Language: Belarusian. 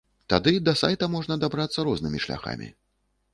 Тады да сайта можна дабрацца рознымі шляхамі.